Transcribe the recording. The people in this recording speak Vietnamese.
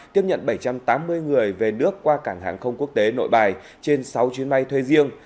tiếp nhận bảy trăm tám mươi người về nước qua cảng hàng không quốc tế nội bài trên sáu chuyến bay thuê riêng